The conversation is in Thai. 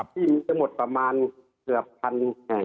ที่มีทั้งหมดประมาณเกือบ๑๐๐๐แห่ง